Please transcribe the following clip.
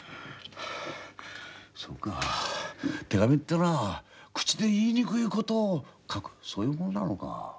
そうか手紙というのは口で言いにくいことを書くそういうものなのか。